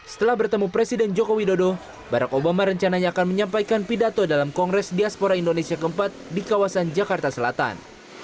setelah bertemu presiden joko widodo barack obama rencananya akan menyampaikan pidato dalam kongres diaspora indonesia keempat di kawasan jakarta selatan